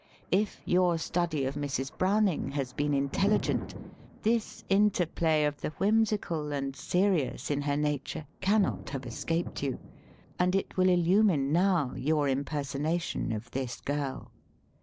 If your study of Mrs. Browning has been intelligent, this interplay of the whim sical and serious in her nature cannot have escape,d you, and it will illumine now your impersonation of this girl.